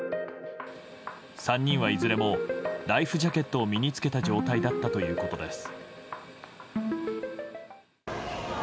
３人はいずれもライフジャケットを身に着けた状態だったということです。